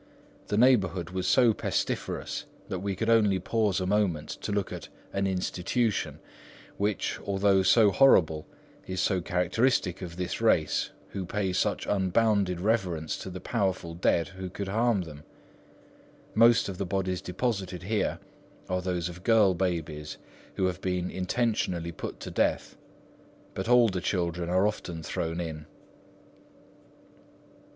The neighbourhood was so pestiferous that we could only pause a moment to look at 'an institution' which, although so horrible, is so characteristic of this race, who pay such unbounded reverence to the powerful dead who could harm them. Most of the bodies deposited here are those of girl babies who have been intentionally put to death, but older children are often thrown in."